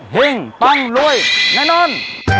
หิ่งป้องรวยแนนนท์โน้น